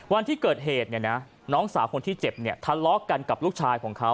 วันที่เกิดเหตุเนี่ยนะน้องสาวคนที่เจ็บเนี่ยทะเลาะกันกับลูกชายของเขา